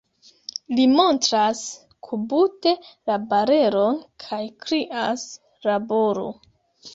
Li montras kubute la barelon kaj krias: Laboru!